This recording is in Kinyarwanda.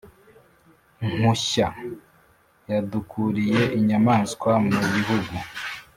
nkushya yadukuriye inyamaswa mu gihugu